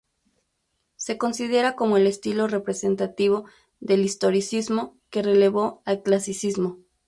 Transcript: Se considera como el estilo representativo del Historicismo, que relevó al Clasicismo.